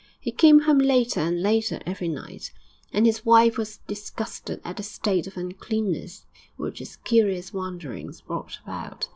He came home later and later every night, and his wife was disgusted at the state of uncleanness which his curious wanderings brought about.